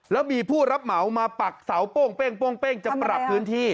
แล้วมีผู้รับเหมามาปักเสาโป้งเป้งจะปรับพื้นที่